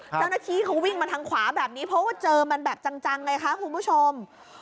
เจ้าหน้าที่เขาวิ่งมาทางขวาแบบนี้เพราะว่าเจอมันแบบจังไงคะคุณผู้ชม